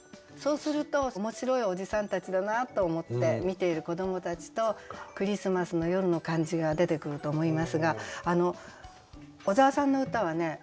そうすると面白いおじさんたちだなと思って見ている子どもたちとクリスマスの夜の感じが出てくると思いますが小沢さんの歌はね